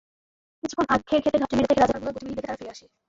কিছুক্ষণ আখের খেতে ঘাপটি মেরে থেকে রাজাকারগুলোর গতিবিধি দেখে তারা ফিরে আসে।